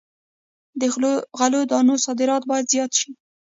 د غلو دانو صادرات باید زیات شي.